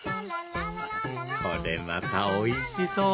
これまたおいしそう！